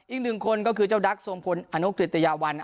อีกหนึ่งคนก็คือเจ้าดักทรงพลอนุกริตยาวัน